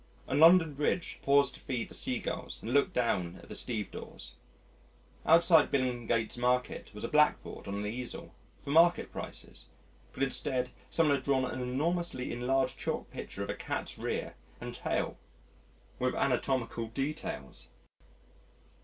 On London Bridge, paused to feed the sea gulls and looked down at the stevedores. Outside Billingsgate Market was a blackboard on an easel for market prices but instead some one had drawn an enormously enlarged chalk picture of a cat's rear and tail with anatomical details.